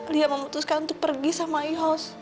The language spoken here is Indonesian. lia memutuskan untuk pergi sama yos